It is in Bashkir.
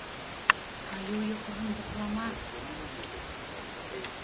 Айыу йоҡоһон йоҡлама